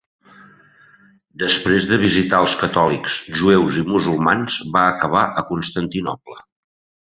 Després de visitar els catòlics, jueus i musulmans, van acabar a Constantinoble.